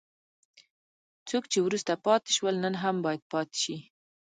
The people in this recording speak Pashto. څوک چې وروسته پاتې شول نن هم باید پاتې شي.